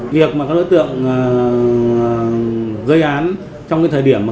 việc mà các đối tượng gây án trong thời điểm mà chúng ta có thể tìm hiểu là